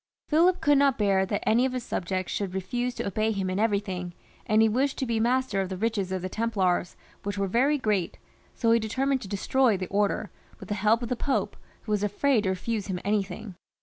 PhiUp could not bear that any of his subjects should refuse to obey him in everything, and he wished to be master of the riches of the Templars, which were very great, so he determined to destroy tho Order with the help of the Pope, who was afraid to refuse him anything.